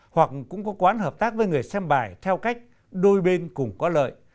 hoặc cũng có quán hợp tác với người xem bài theo cách đôi bên cũng có lợi